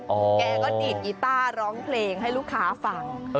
แกก็ดีดกีต้าร้องเพลงให้ลูกค้าฟัง